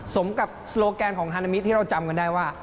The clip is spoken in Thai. สมกับโลแกนของฮานามิที่เราจำกันได้ว่า